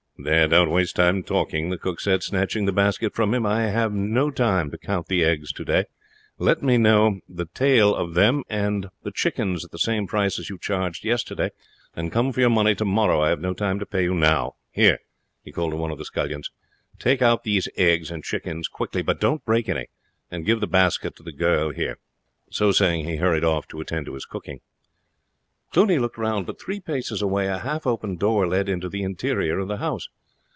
"There, don't waste time talking," the cook said, snatching the basket from him. "I have no time to count the eggs now; let me know the tale of them and the chickens at the same price as you charged yesterday, and come for your money tomorrow; I have no time to pay now. Here," he called to one of the scullions, "take out these eggs and chickens quickly, but don't break any, and give the basket to the girl here." So saying he hurried off to attend to his cooking. Cluny looked round. But three paces away a half open door led into the interior of the house.